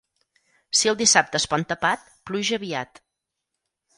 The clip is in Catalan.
Si el dissabte es pon tapat, pluja aviat.